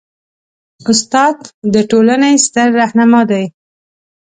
استاد د ټولنې ستر رهنما دی.